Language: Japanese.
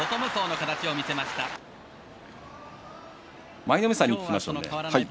舞の海さんに聞きましょう。